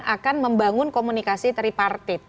akan membangun komunikasi tripartit